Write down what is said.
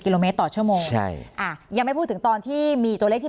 โลเมตรต่อชั่วโมงใช่อ่ายังไม่พูดถึงตอนที่มีตัวเลขที่